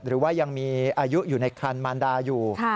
หรือว่ายังมีอายุอยู่ในครันมารดาอยู่